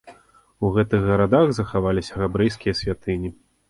У гэтых гарадах захаваліся габрэйскія святыні.